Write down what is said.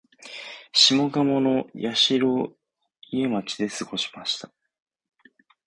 下鴨の社家町で過ごしました